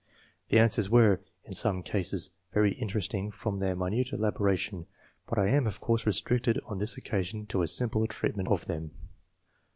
The answers were, in some cases, very interesting from their minute elabo ration, but I am, of course, restricted on this occasion to a simple treatment of them.